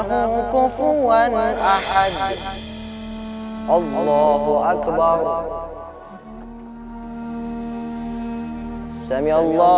bahkan di dalam rusi